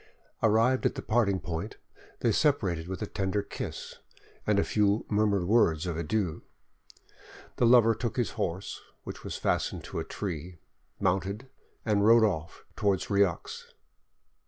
Arrived at the parting point, they separated with a tender kiss and a few murmured words of adieu; the lover took his horse, which was fastened to a tree, mounted, and rode off towards Rieux.